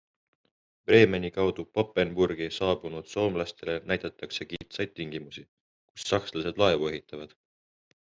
Bremeni kaudu Papenburgi saabunud soomlastele näidatakse kitsaid tingimusi, kus sakslased laevu ehitavad.